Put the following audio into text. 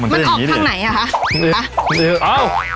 มันออกทางไหนอ่ะคะ